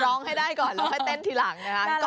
ร้องให้ได้ก่อนแล้วค่อยเต้นทีหลังนะครับ